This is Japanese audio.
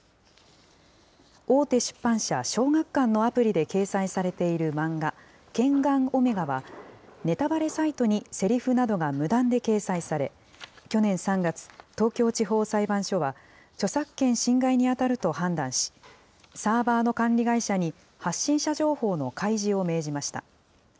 大手出版社、小学館のアプリで掲載されている漫画、ケンガンオメガは、ネタバレサイトにせりふなどが無断で掲載され、去年３月、東京地方裁判所は、著作権侵害に当たると判断し、サーバーの管理会社に、発信者情報の開示を命じました。